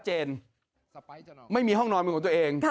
เจนไม่มีห้องนอนเป็นของตัวเอง